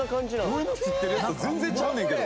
俺の知ってるやつと全然ちゃうねんけど。